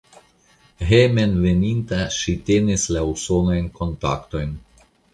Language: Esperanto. Hejmenveninta ŝi tenis la usonajn kontaktojn.